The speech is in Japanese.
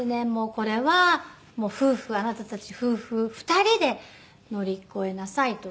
「これはあなたたち夫婦２人で乗り越えなさい」と。